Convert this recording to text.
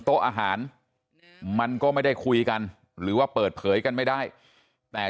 โต๊ะอาหารมันก็ไม่ได้คุยกันหรือว่าเปิดเผยกันไม่ได้แต่